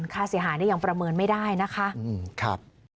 ค่าเสียหายยังประเมินไม่ได้นะคะ